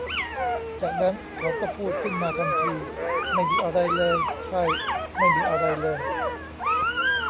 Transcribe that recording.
จากนั้น เขาก็พูด ขึ้นมาทันที ไม่มีอะไรเลย ใช่ ! ! ไม่มีอะไรเลย